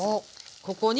ここに。